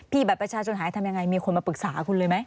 บัตรประชาชนหายทำยังไงมีคนมาปรึกษาคุณเลยไหม